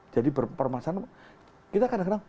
jadi permasalahan kita kadang kadang